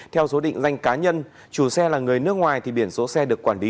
theo số định danh cá nhân chủ xe là người nước ngoài thì biển số xe được quản lý